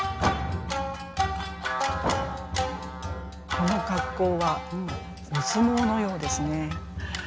この格好はお相撲のようですね。